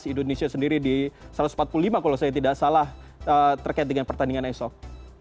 indonesia sendiri di satu ratus empat puluh lima kalau saya tidak salah terkait dengan pertandingan esok